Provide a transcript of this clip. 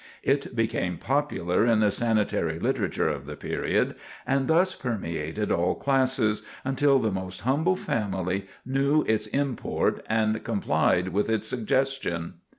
It became popular in the sanitary literature of the period, and thus permeated all classes, until the most humble family knew its import and complied with its suggestion.